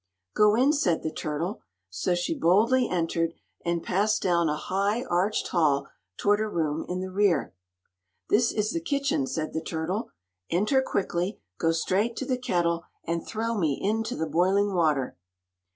"Go in," said the turtle; so she boldly entered and passed down a high arched hall toward a room in the rear. "This is the kitchen," said the turtle, "Enter quickly, go straight to the kettle, and throw me into the boiling water."